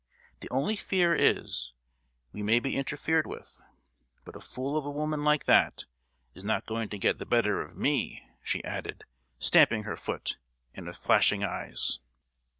"The only fear is, we may be interfered with! But a fool of a woman like that is not going to get the better of me!" she added, stamping her foot, and with flashing eyes.